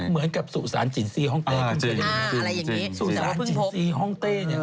เหมือนกับสุสานจินซีห้องเต้อะไรอย่างนี้สุสานจินซีห้องเต้